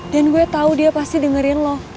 dan gue tau dia pasti dengerin lo